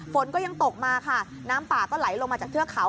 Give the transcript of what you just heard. ฝนก็ยังตกมาค่ะน้ำป่าก็ไหลลงมาจากเทือกเขา